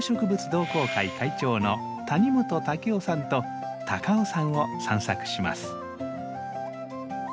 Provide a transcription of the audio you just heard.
同好会会長の谷本夫さんと高尾山を散策します。